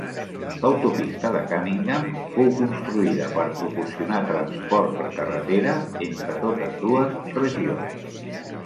L'autopista de Cunningham fou construïda per proporcionar transport per carretera entre totes dues regions.